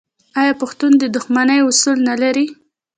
آیا پښتون د دښمنۍ اصول نلري؟